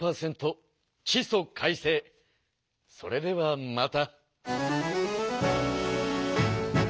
それではまた。